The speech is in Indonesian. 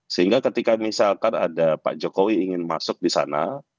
sehingga ketika misalkan ada pak jokowi ingin masuk di sana